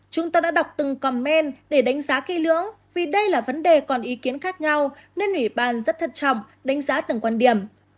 chúng ta đã đọc từng comment để đánh giá kỳ lưỡng vì đây là vấn đề còn ý kiến khác nhau nên ủy ban rất thật trọng đánh giá từng quan điểm